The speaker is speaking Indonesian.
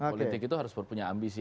politik itu harus punya ambisi